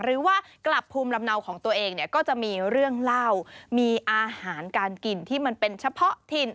หรือว่ากลับภูมิลำเนาของตัวเองเนี่ยก็จะมีเรื่องเล่ามีอาหารการกินที่มันเป็นเฉพาะถิ่น